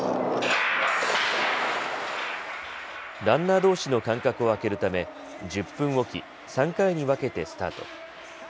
ランナーどうしの間隔を空けるため１０分置き、３回に分けてスタート。